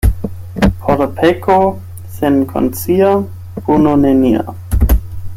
Por peko senkonscia puno nenia.